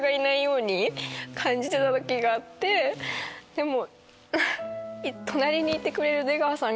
でも。